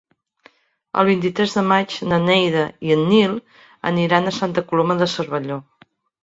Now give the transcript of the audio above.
El vint-i-tres de maig na Neida i en Nil aniran a Santa Coloma de Cervelló.